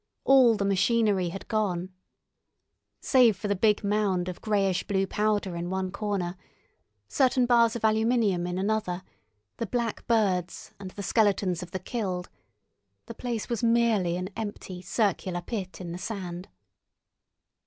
All the machinery had gone. Save for the big mound of greyish blue powder in one corner, certain bars of aluminium in another, the black birds, and the skeletons of the killed, the place was merely an empty circular pit in the sand.